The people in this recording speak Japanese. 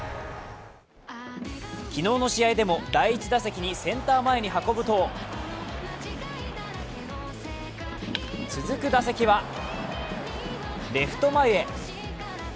昨日の試合でも、第１打席にセンター前に運ぶと、続く打席はレフト前へ。